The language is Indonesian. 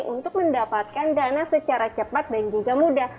untuk mendapatkan dana secara cepat dan juga mudah